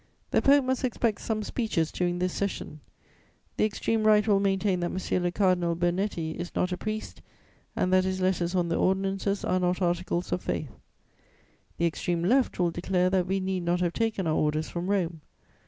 The Pope must expect some speeches during this session: the Extreme Right will maintain that M. le Cardinal Bernetti is not a priest and that his letters on the ordinances are not articles of faith; the Extreme Left will declare that we need not have taken our orders from Rome.